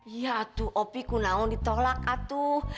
iya atuh opi ku naon ditolak atuh